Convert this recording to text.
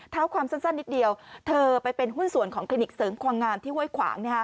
เท้าความสั้นนิดเดียวเธอไปเป็นหุ้นส่วนของคลินิกเสริมความงามที่ห้วยขวาง